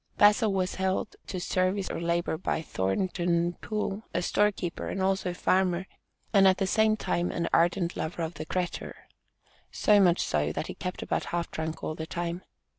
Bazil was held to service or labor by Thornton Pool, a store keeper, and also farmer, and at the same time an ardent lover of the "cretur," so much so that "he kept about half drunk all the time."